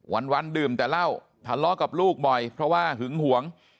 วันดื่มแต่เหล้าทะเลาะกับลูกบ่อยเพราะว่าหึงหวง